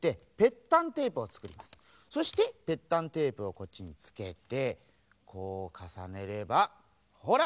そしてぺったんテープをこっちにつけてこうかさねればほら！